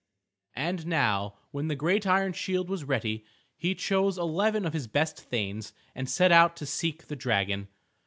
And now when the great iron shield was ready, he chose eleven of his best thanes and set out to seek the dragon.